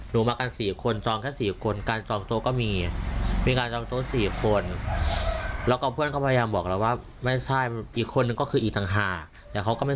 แต่มันก็ยังพอมีวีดีโอเล็กอย่างนี้ค่ะที่ถ่ายไว้ได้